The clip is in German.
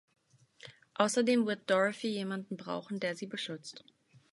Außerdem wird Dorothy jemanden brauchen, der sie beschützt.